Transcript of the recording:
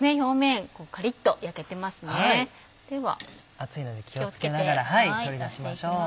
熱いので気を付けながら取り出しましょう。